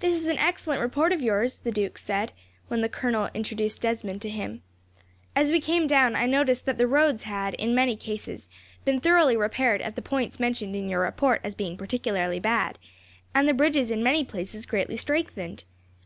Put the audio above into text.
"This is an excellent report of yours, sir," the duke said, when the colonel introduced Desmond to him. "As we came down, I noticed that the roads had, in many cases, been thoroughly repaired at the points mentioned in your report as being particularly bad, and the bridges in many places greatly strengthened.